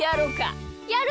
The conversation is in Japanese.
やる！